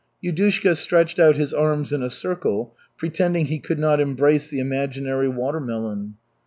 Yudushka stretched out his arms in a circle, pretending he could not embrace the imaginary watermelon.